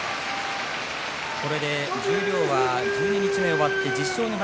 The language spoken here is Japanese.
これで十両は十二日目を終わって１０勝２敗